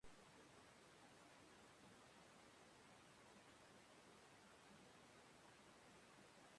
Erasotzaileak gizonari arma zuri batekin eraso egin zion eta ondoren ihes egin zuen.